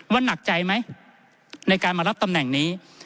หนักใจไหมในการมารับตำแหน่งนี้